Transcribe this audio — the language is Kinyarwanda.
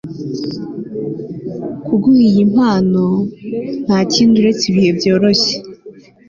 kuguha iyi mpano ... ntakindi uretse ibihe byoroshye